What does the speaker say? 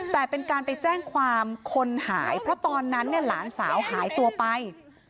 แต่เป็นการไปแจ้งความคนหายเพราะตอนนั้นเนี่ยหลานสาวหายตัวไป